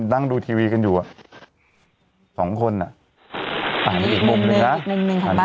นั่งดูทีวีกันอยู่อ่ะสองคนอ่ะอ่ามีอีกมุมหนึ่งนะอีกมุมหนึ่งของบ้าน